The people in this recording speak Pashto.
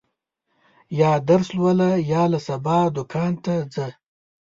یا درس لوله، یا له سبا دوکان ته ځه.